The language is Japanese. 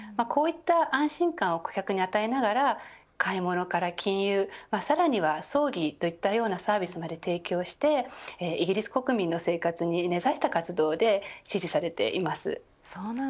こういった安心感を顧客に与えながら買い物から金融さらには葬儀といったようなサービスまで提供してイギリス国民の生活に根差した活動で支持されています。